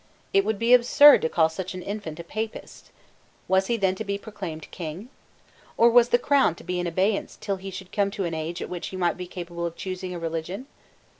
It would be absurd to call such an infant a Papist. Was he then to be proclaimed King? Or was the crown to be in abeyance till he came to an age at which he might be capable of choosing a religion?